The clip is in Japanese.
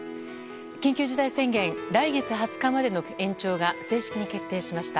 緊急事態宣言来月２０日までの延長が正式に決定しました。